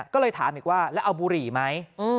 ก็เลยถามอีกว่าแล้วเอาบุหรี่ไหม